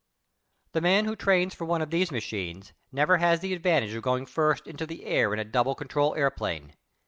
The man who trains for one of these machines never has the advantage of going first into the air in a double control airplane.